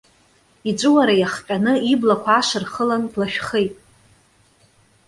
Иҵәыуара иахҟьаны иблақәа аш рхылан, длашәхеит.